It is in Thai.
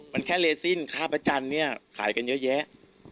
มันแค่เลซินค่าประจันทร์เนี่ยขายกันเยอะแยะ